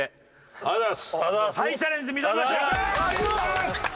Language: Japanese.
ありがとうございます！